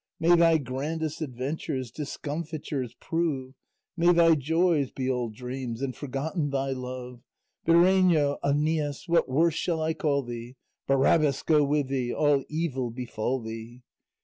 May thy grandest adventures Discomfitures prove, May thy joys be all dreams, And forgotten thy love. Bireno, Æneas, what worse shall I call thee? Barabbas go with thee! All evil befall thee!